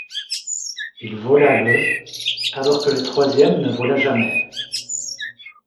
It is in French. Il vola le alors que le troisième ne vola jamais.